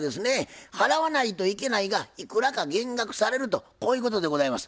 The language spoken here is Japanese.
払わないといけないがいくらか減額されるとこういうことでございます。